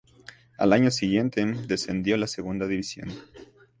Al año siguiente descendió a la Segunda División.